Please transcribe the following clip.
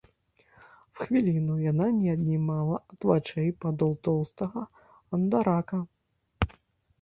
З хвіліну яна не аднімала ад вачэй падол тоўстага андарака.